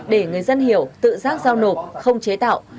để người dân hiểu tự giác giao nộp không chế tạo